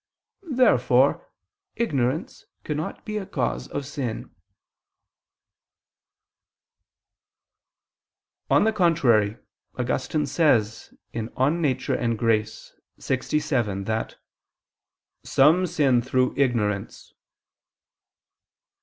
Therefore ignorance cannot be a cause of sin. On the contrary, Augustine says (De Nat. et Grat. lxvii) "that some sin through ignorance."